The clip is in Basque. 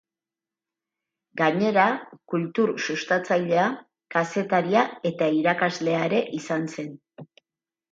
Gainera, kultur sustatzailea, kazetaria eta irakaslea ere izan zen.